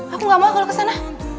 aku gak mau kalau kesana